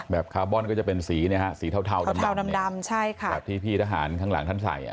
แบบคาร์บอนก็จะเป็นสีเทาดำแบบที่พี่ทหารข้างหลังท่านใส่